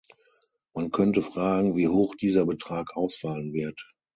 Man könnte fragen, wie hoch dieser Betrag ausfallen wird.